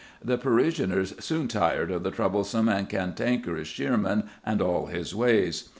The parishioners soon tired of the troublesome and cantankerous Shearman and all his ways.